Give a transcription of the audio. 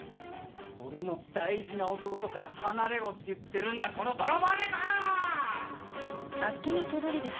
俺の大事な弟から離れろって言ってるんだこの泥棒猫！